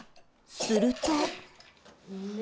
すると。